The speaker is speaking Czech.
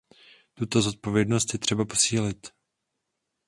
Tuto zodpovědnost je třeba posílit.